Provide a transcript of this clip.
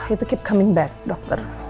itu keep coming back dokter